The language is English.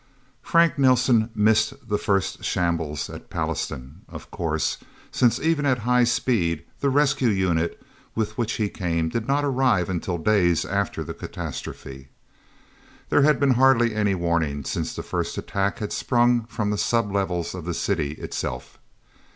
VIII Frank Nelsen missed the first shambles at Pallastown, of course, since even at high speed, the rescue unit with which he came did not arrive until days after the catastrophe. There had been hardly any warning, since the first attack had sprung from the sub levels of the city itself.